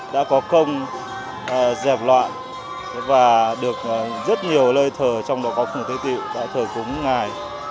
đã có công dẹp loạn và được rất nhiều lời thờ trong đó có khùng tây tịu đã thờ cúng ngài